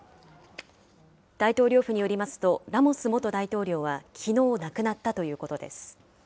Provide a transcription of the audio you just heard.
大統領府によりますと、ラモス元大統領はきのう亡くなったということです。